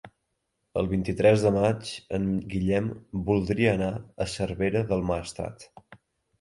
El vint-i-tres de maig en Guillem voldria anar a Cervera del Maestrat.